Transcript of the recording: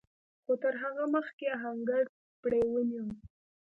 خو تر هغه مخکې آهنګر پړی ونيو.